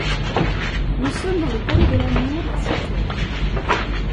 Nous sommes dans le palais de l'Amour à Cythère.